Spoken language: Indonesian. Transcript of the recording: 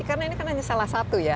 karena ini kan hanya salah satu ya